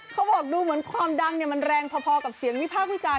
เขาบอกดูเหมือนความดังมันแรงพอกับเสียงวิพากษ์วิจารณ